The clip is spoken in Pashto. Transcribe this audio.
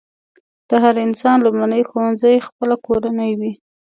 د هر انسان لومړنی ښوونځی خپله کورنۍ وي.